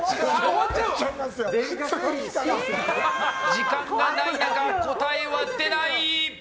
時間がない中、答えは出ない！